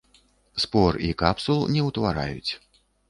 Спор і капсул не ўтвараюць.